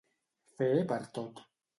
Fer per tot.